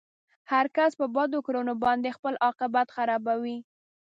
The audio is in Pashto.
هر کس په بدو کړنو باندې خپل عاقبت خرابوي.